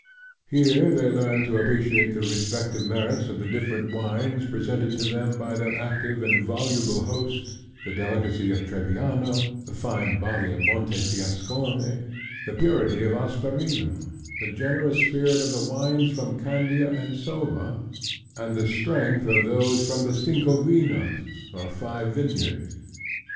Here they learned to appreciate the respective merits of the different wines presented to them by their active and voluble host; the delicacy of Trebbiano, the fine body of Montefiascone, the purity of Asperino, the generous spirit of the wines from Candia and Soma, and the strength of those from the Cincovinas, or Five Vineyards.